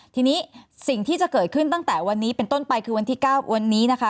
ทีนี้สิ่งที่จะเกิดขึ้นตั้งแต่วันนี้เป็นต้นไปคือวันที่๙วันนี้นะคะ